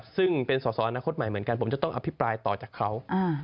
ซึ่งเป็นสอสออนาคตใหม่เหมือนกันผมจะต้องอภิปรายต่อจากเขา